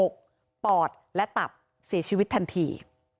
ปอดและตับเสียชีวิตทันที